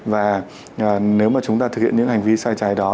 và nếu mà chúng ta thực hiện những hành vi sai trái đó